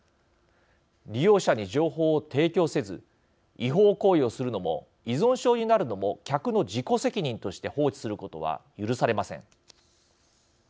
利用者に情報を提供せず違法行為をするのも依存症になるのも客の自己責任として放置することは許されません。